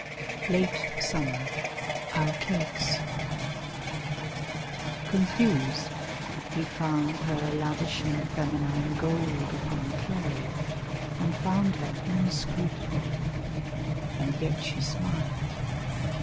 Late Summer (Alcaics) Confused, he found her lavishing feminine Gold upon clay, and found her inscrutable; And yet she smiled.